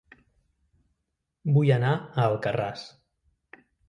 Vull anar a Alcarràs